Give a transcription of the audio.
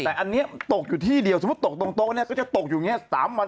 แต่อันนี้ตกอยู่ที่เดียวสมมุติว่าตกตรงนี้ก็จะตกอยู่อย่างนี้